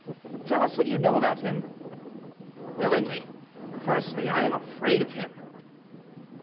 "Tell us what you know about him " "Willingly. Firstly, I am afraid of him."